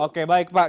oke baik pak